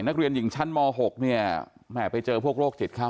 นักเรียนหญิงชั้นม๖เนี่ยแม่ไปเจอพวกโรคจิตเข้า